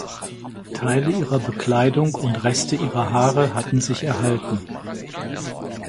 Teile ihrer Bekleidung und Reste ihrer Haare hatten sich erhalten.